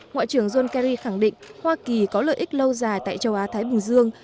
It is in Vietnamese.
ngoại trưởng john kerry khẳng định hoa kỳ có lợi ích lâu dài tại châu á thái bình dương